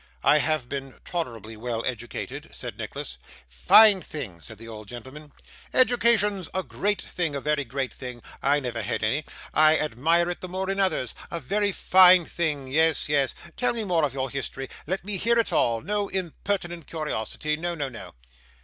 'I have been tolerably well educated,' said Nicholas. 'Fine thing,' said the old gentleman, 'education a great thing: a very great thing! I never had any. I admire it the more in others. A very fine thing. Yes, yes. Tell me more of your history. Let me hear it all. No impertinent curiosity no, no, no.